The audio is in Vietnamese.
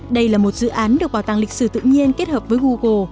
đây là một dự án được bảo tàng lịch sử tự nhiên kết hợp với google